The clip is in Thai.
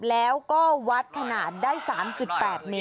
แล้วก็วัดขนาดได้๓๘เมตร